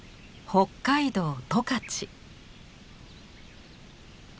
北海道十勝。